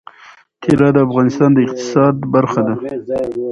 طلا د افغانستان د اقتصاد برخه ده.